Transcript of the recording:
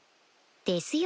ですよ